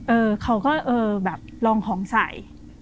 เออเขาก็เออแบบลองของใส่